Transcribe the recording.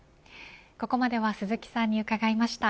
ここまでは鈴木さんに伺いました。